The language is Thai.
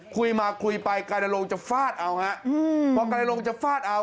คุยมาคุยไปไกรนรงค์จะฟาดเอาพอไกรนรงค์จะฟาดเอา